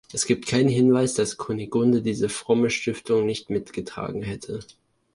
Es gibt keinen Hinweis, dass Kunigunde diese fromme Stiftung nicht mitgetragen hätte.